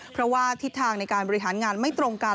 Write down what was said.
เพราะว่าทิศทางในการบริหารงานไม่ตรงกัน